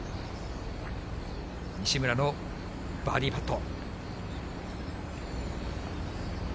西村のバーディーパット。